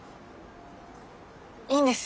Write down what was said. いいんです。